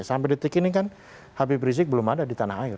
sampai detik ini kan habib rizik belum ada di tanah air